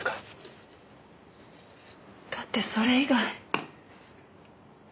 だってそれ以外。